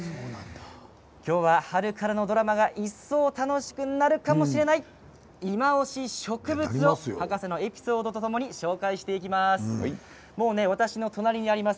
今日は春からのドラマが一層楽しくなるかもしれないいまオシ植物を博士のエピソードとともに紹介していきます。